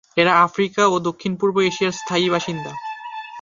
এরা আফ্রিকা এবং দক্ষিণ-পূর্ব এশিয়ার স্থায়ী বাসিন্দা।